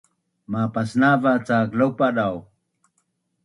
mapasnava’ cak laupadau